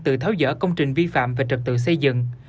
tự tháo dỡ công trình vi phạm và trật tự xây dựng